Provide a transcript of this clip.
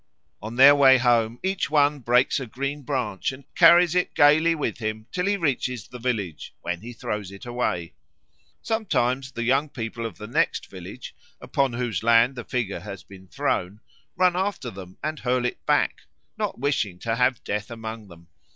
On their way home each one breaks a green branch and carries it gaily with him till he reaches the village, when he throws it away. Sometimes the young people of the next village, upon whose land the figure has been thrown, run after them and hurl it back, not wishing to have Death among them.